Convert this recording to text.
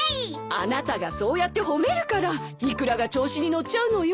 あなたがそうやって褒めるからイクラが調子に乗っちゃうのよ。